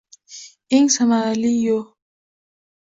Eng samarali yo‘